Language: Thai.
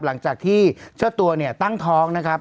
หลังจากที่เจ้าตัวเนี่ยตั้งท้องนะครับ